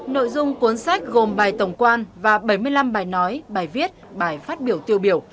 nội dung cuốn sách gồm bài tổng quan và bảy mươi năm bài nói bài viết bài phát biểu tiêu biểu